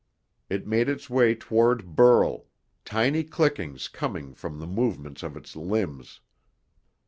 It made its way toward Burl, tiny clickings coming from the movements of its limbs.